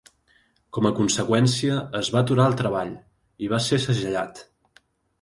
Com a conseqüència es va aturar el treball, i va ser segellat.